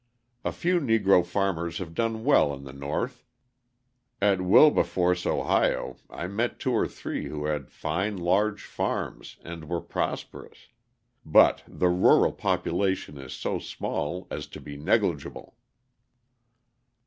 A few Negro farmers have done well in the North (at Wilberforce, Ohio, I met two or three who had fine large farms and were prosperous), but the rural population is so small as to be negligible.